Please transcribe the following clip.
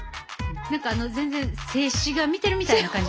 何か全然静止画見てるみたいな感じですよ。